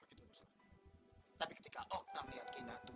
ini kerja bakti apa ada duitnya nih